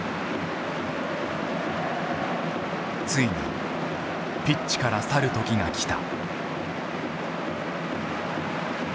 ついにピッチから去る時が来た。